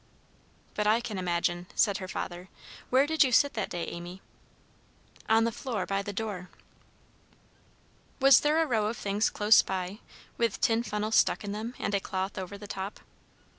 "But I can imagine," said her father. "Where did you sit that day, Amy?" "On the floor, by the door." "Was there a row of things close by, with tin funnels stuck in them and a cloth over the top?"